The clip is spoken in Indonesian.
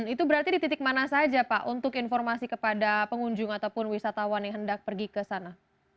itu berarti di titik mana saja pak untuk informasi kepada pengunjung ataupun wisatawan yang hendak pergi ke sana